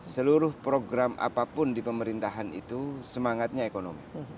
seluruh program apapun di pemerintahan itu semangatnya ekonomi